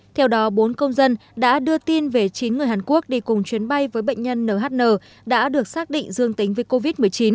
theo đó bốn công dân đã đưa tin về chín người hàn quốc đi cùng chuyến bay với bệnh nhân nhn đã được xác định dương tính với covid một mươi chín